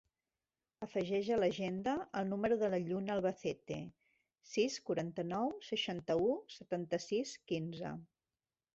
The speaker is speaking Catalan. Afegeix a l'agenda el número de la Lluna Albacete: sis, quaranta-nou, seixanta-u, setanta-sis, quinze.